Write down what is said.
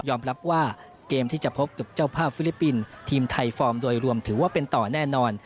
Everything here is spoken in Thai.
รับว่าเกมที่จะพบกับเจ้าภาพฟิลิปปินส์ทีมไทยฟอร์มโดยรวมถือว่าเป็นต่อแน่นอน